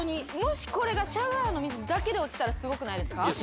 もしこれがシャワーの水だけで落ちたらすごくないですか？